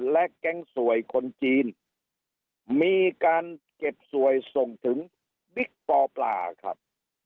และแก๊งสวยคนจีนมีการเก็บสวยส่งถึงบิ๊กปอปลาครับ